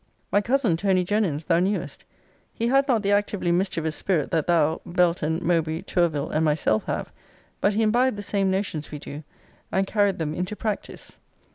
My cousin Tony Jenyns, thou knewest. He had not the actively mischievous spirit, that thou, Belton, Mowbray, Tourville, and myself, have: but he imbibed the same notions we do, and carried them into practice.